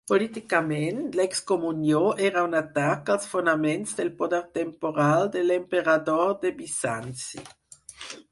Políticament, l'excomunió era un atac als fonaments del poder temporal de l'emperador de Bizanci.